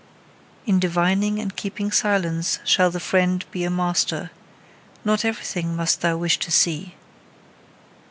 In divining and keeping silence shall the friend be a master: not everything must thou wish to see.